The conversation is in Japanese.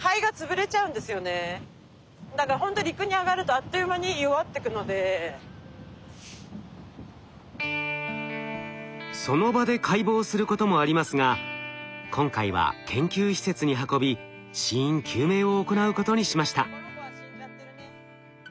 やっぱ多分胎児がいたのかその場で解剖することもありますが今回は研究施設に運び死因究明を行うことにしました。